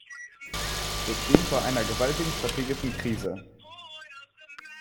Wir stehen vor einer gewaltigen strategischen Krise.